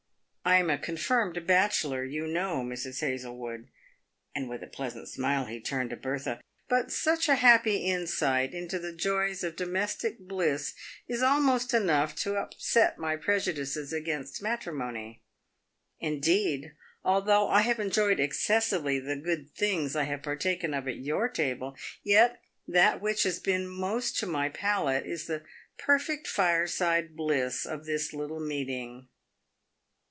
I am a confirmed bachelor, you know, Mrs. Hazlewood" — and with a pleasant smile he turned to Bertha —" but such a happy insight into the joys of domestic bliss is almost enough to upset my prejudices against matrimony. Indeed, although I have enjoyed excessively the good things I have partaken of at your table, yet that which has been most to my palate is the perfect fireside bliss of this little meeting."